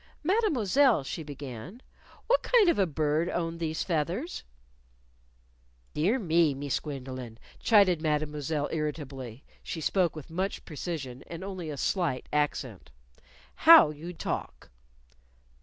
"Mademoiselle," she began, "what kind of a bird owned these feathers?" "Dear me, Mees Gwendolyn," chided Mademoiselle, irritably (she spoke with much precision and only a slight accent), "how you talk!"